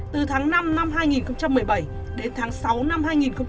từ tháng năm năm hai nghìn một mươi bảy đến tháng sáu năm hai nghìn một mươi tám